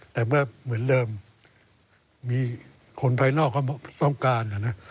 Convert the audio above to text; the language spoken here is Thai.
แต่ก็เหมือนเดิมมีคนภายนอกต้องการ